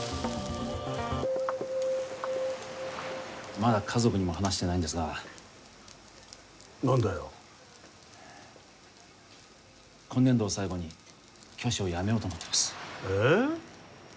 まだ家族にも話してないんですが何だよ今年度を最後に教師を辞めようと思ってますえっ？